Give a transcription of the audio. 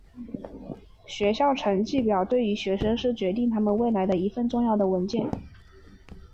学校成绩表对于学生是决定他们未来的一份重要的文件。